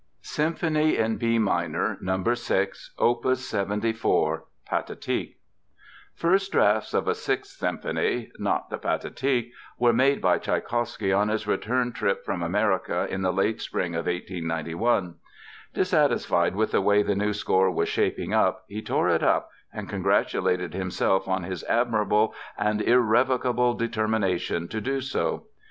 SYMPHONY IN B MINOR, NO. 6, OPUS 74 (Pathetic) First drafts of a sixth symphony—not the Pathetic—were made by Tschaikowsky on his return trip from America in the late spring of 1891. Dissatisfied with the way the new score was shaping up, he tore it up and congratulated himself on his "admirable and irrevocable determination" to do so.